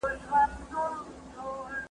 لوښي وچ کړه!!